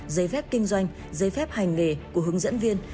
giấy phép kinh doanh giấy phép hành nghề của hướng dẫn viên